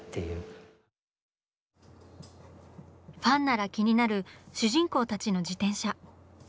ファンなら気になる主人公たちの自転車。